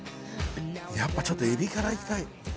やっぱちょっと海老からいきたい